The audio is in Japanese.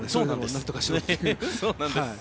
なんとかしろっていう。